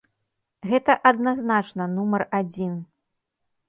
Гэта адназначна нумар адзін.